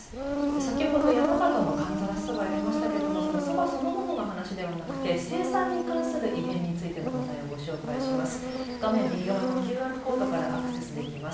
先ほど山形の寒ざらしそばをやりましたけれどもそのそばそのものの話ではなくて生産に関する異変についての話題をご紹介します。